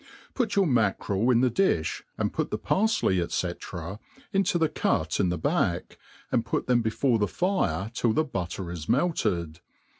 Put your mackerel in the di(h, and put the parfley, &c. into the cut in the b^ick, and put them before the fire till the butter is melted.